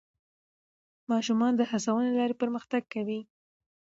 ماشومان د هڅونې له لارې پرمختګ کوي